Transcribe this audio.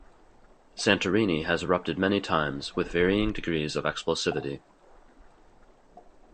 Santorini has erupted many times, with varying degrees of explosivity.